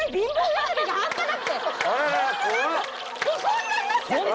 そんなに？